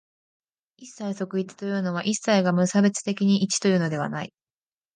一切即一というのは、一切が無差別的に一というのではない。